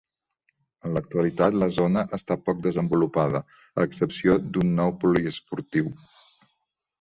En l'actualitat, la zona està poc desenvolupada, a excepció d'un nou poliesportiu.